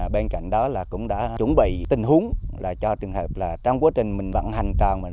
bên cạnh đó cũng đã chuẩn bị tình huống cho trường hợp trong quá trình mình vận hành tràn